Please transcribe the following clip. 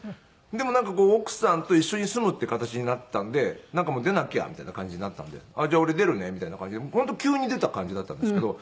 でもなんか奥さんと一緒に住むっていう形になったんで出なきゃみたいな感じになったんでじゃあ俺出るねみたいな感じで本当急に出た感じだったんですけど。